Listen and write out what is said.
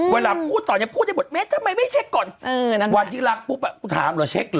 เวลาพูดต่อยังพูดอยู่เม้ทำไมไม่เช็คก่อนวันที่รักปุ๊บถามหรือเช็กหรอ